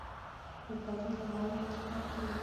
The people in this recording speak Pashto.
پکورې له غوړیو ډکې وي